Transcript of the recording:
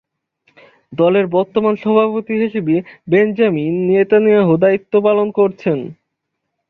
দলের বর্তমান সভাপতি হিসেবে বেঞ্জামিন নেতানিয়াহু দায়িত্ব পালন করছেন।